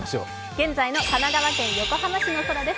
現在の神奈川県横浜市の空です。